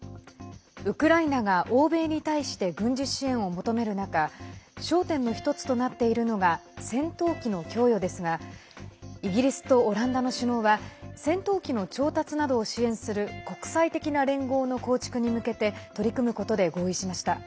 ウクライナが欧米に対して軍事支援を求める中焦点の１つとなっているのが戦闘機の供与ですがイギリスとオランダの首脳は戦闘機の調達などを支援する国際的な連合の構築に向けて取り組むことで合意しました。